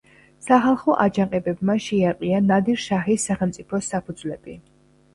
სახალხო აჯანყებებმა შეარყია ნადირ-შაჰის სახელმწიფოს საფუძვლები.